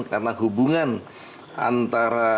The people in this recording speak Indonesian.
karena hubungan antara